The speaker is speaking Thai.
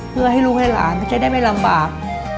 เพื่อให้ลูกให้หลานจะได้ไม่ลำบาก